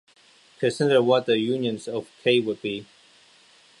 Consider what the units of "k" would be.